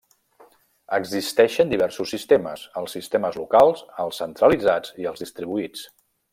Existeixen diversos sistemes: els sistemes locals, els centralitzats i els distribuïts.